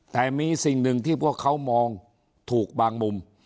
แต่มีสิ่งหนึ่งที่พวกเขามองถูกบางมุม